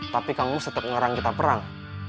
tapi kangkobus tetep ngerang kita perang